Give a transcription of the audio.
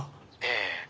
ええ。